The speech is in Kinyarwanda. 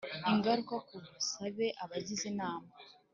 Ingaruka ku busabe abagize inama